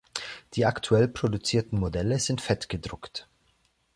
Die aktuell produzierten Modelle sind fettgedruckt.